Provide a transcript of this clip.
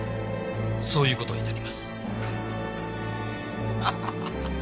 そういう事になります。